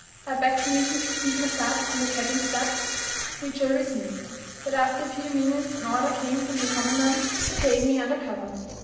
I begged permission to seat myself on the cabin steps, which I received; but, after a few minutes, an order came from the commandant to take me under cover.